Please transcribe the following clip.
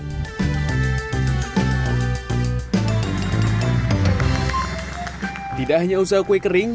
jelang lebaran jasa sewap kering